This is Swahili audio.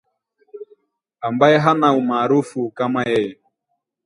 ambaye hana umaarufu kama yeye